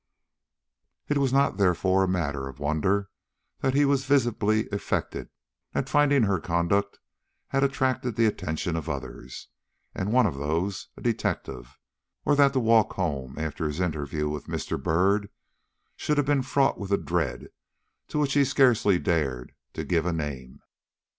It was not, therefore, a matter of wonder that he was visibly affected at finding her conduct had attracted the attention of others, and one of those a detective, or that the walk home after his interview with Mr. Byrd should have been fraught with a dread to which he scarcely dared to give a name.